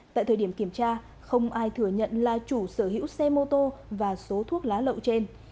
tại thời điểm kiểm tra không ai thừa nhận là chủ sở hữu xe mô tô và số thuốc lá lậu trên